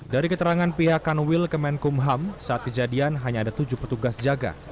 dari keterangan pihak kanwil kemenkumham saat kejadian hanya ada tujuh petugas jaga